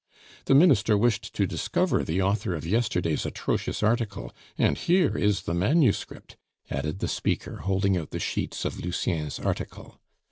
"The Minister wished to discover the author of yesterday's atrocious article, and here is the manuscript," added the speaker, holding out the sheets of Lucien's article.